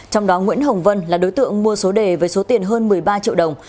trong đó nguyễn hồng vân là đối tượng mua số đề với số tiền hơn một mươi ba triệu đồng